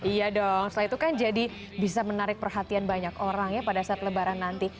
iya dong setelah itu kan jadi bisa menarik perhatian banyak orang ya pada saat lebaran nanti